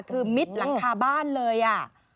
คือมิดหลังคาบ้านเลยอ่ะ